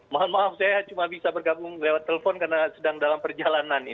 mohon maaf saya cuma bisa bergabung lewat telepon karena sedang dalam perjalanan